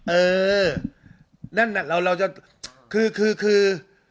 เออนั่นแหละเราจะคือคือคือ